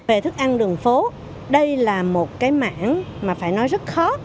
về thức ăn đường phố đây là một cái mảng mà phải nói rất khó